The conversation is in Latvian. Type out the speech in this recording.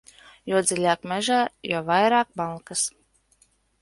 Jo dziļāk mežā, jo vairāk malkas.